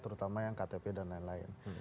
terutama yang ktp dan lain lain